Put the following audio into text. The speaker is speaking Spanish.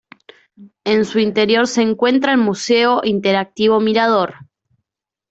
En su interior se encuentra el Museo Interactivo Mirador.